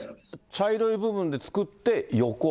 茶色い部分で作って横。